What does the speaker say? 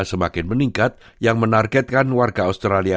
semakin meningkat yang menargetkan warga australia